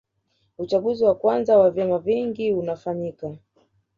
Uchaguzi wa kwanza wa vyama vingi unafanyika